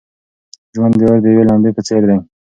ژوند د اور د یوې لمبې په څېر دی.